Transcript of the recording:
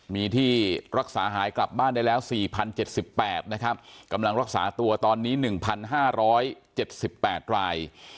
มีที่รักษาหายกลับบ้านได้แล้ว๔๐๗๘นะครับกำลังรักษาตัวตอนนี้๑๕๗๘ราย